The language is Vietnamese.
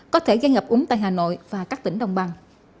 có thể gây ngập úng tại hà nội và các tỉnh đồng bằng